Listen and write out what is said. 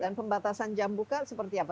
dan pembatasan jam buka seperti apa